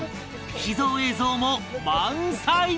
秘蔵映像も満載！